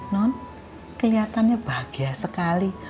non keliatannya bahagia sekali